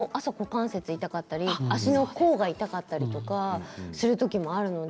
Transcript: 私も朝、股関節が痛かったり足の甲が痛かったりするときもあるので。